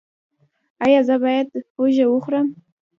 ایا زه باید هوږه وخورم؟